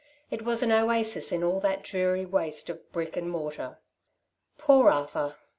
It was an oasis in all that dreary waste of brick and mortar. Poor Arthur